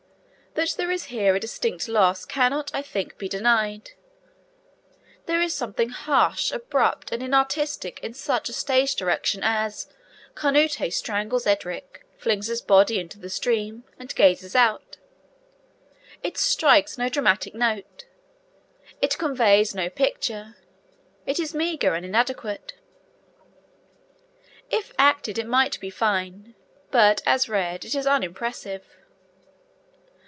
That there is here a distinct loss cannot, I think, be denied. There is something harsh, abrupt, and inartistic in such a stage direction as 'Canute strangles Edric, flings his body into the stream, and gazes out.' It strikes no dramatic note, it conveys no picture, it is meagre and inadequate. If acted it might be fine; but as read, it is unimpressive.